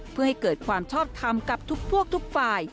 เพื่อให้เกิดความชอบทำกับทุกพวกทุกฝ่าย